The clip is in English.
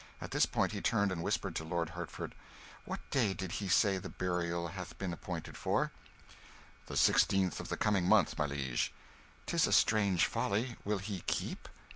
At this point he turned and whispered to Lord Hertford "What day did he say the burial hath been appointed for?" "The sixteenth of the coming month, my liege." "'Tis a strange folly. Will he keep?"